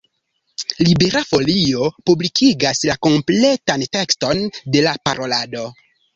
Libera Folio publikigas la kompletan tekston de la parolado.